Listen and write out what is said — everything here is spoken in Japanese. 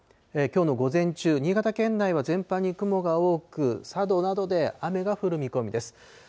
きょうの午前中、新潟県内は全般に雲が多く、佐渡などで雨が降る見込みです。